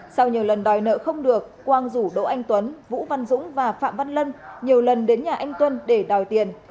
sau nhiều lần đòi nợ không được quang rủ đỗ anh tuấn vũ văn dũng và phạm văn lân nhiều lần đến nhà anh tuân để đòi tiền